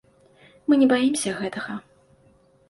Мы не баімся гэтага.